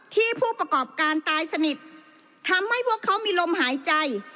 ผู้ประกอบการตายสนิททำให้พวกเขามีลมหายใจ